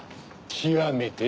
極めて？